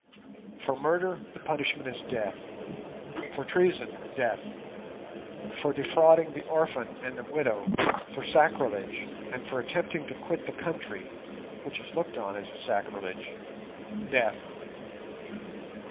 For murder the punishment is death, for treason death, for defrauding the orphan and the widow, for sacrilege, and for attempting to quit the country (which is looked on as a sacrilege) death.